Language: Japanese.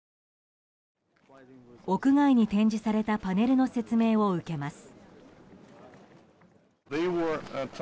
屋外に展示されたパネルの説明を受けます。